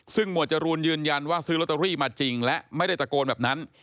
ซึ่งหมวดจรูนยืนยันว่าซื้อลอตเตอรี่มาจริงและไม่ได้ตะโกนแบบนั้น